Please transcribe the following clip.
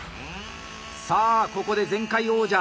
さあここで前回王者！